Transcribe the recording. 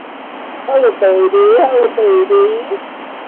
Psychological trauma and recovery are central themes of the novella.